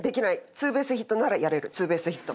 ツーベースヒットならやれるツーベースヒット。